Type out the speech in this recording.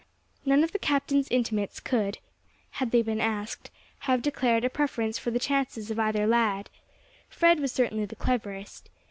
None of the Captain's intimates could had they been asked have declared a preference for the chances of either lad. Fred was certainly the cleverest.